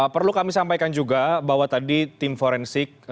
perlu kami sampaikan juga bahwa tadi tim forensik